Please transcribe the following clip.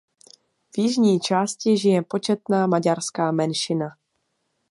V jižní části žije početná maďarská menšina.